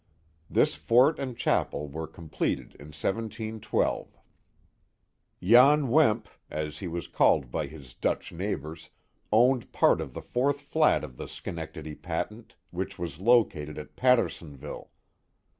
This fort and chapel were completed in 171 2. Jan Wemp, as he was called by his Dutch neighbors, owned part of the fourth flat of the Schenectady patent, which was located at Pattersonville.